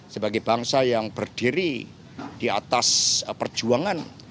sebagai bangsa yang berdiri di atas perjuangan